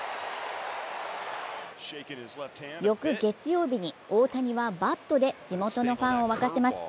翌月曜日に大谷はバットで地元のファンを沸かせます。